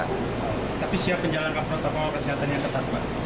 tapi siap menjalankan protokol kesehatan yang ketat pak